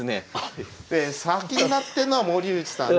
先になってんのは森内さんで。